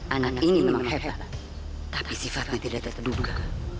anak ini memang heran tapi sifatnya tidak terduga